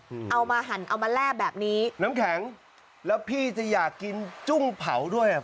เอามาหั่นเอามาแร่แบบนี้น้ำแข็งแล้วพี่จะอยากกินจุ้งเผาด้วยอ่ะ